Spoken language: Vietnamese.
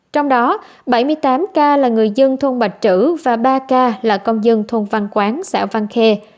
trong đó bảy mươi tám ca là người dân thôn bạch trữ và ba ca là công dân thôn văn quán xã văn khê